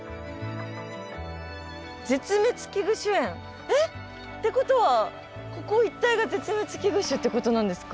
絶滅危惧種園？ってことはここ一帯が絶滅危惧種ってことなんですか？